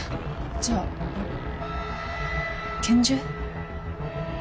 じゃあ拳銃？